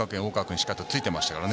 しっかりついてましたからね。